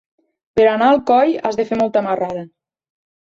Per anar a Alcoi has de fer molta marrada.